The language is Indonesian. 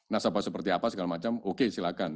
nasabah seperti apa segala macam oke silahkan